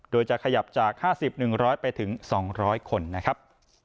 โดยจะขยับจาก๕๐๑๐๐ไปถึง๒๐๐คนนะครับ